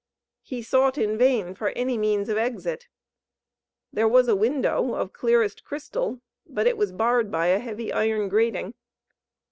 He sought in vain for any means of exit. There was a window, of clearest crystal, but it was barred by a heavy iron grating.